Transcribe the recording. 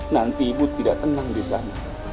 nanti ibu tidak tenang di sana